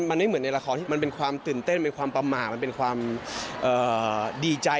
มันไม่เหมือนในละครที่มันเป็นความตื่นเต้นเป็นความประมาทมันเป็นความดีใจ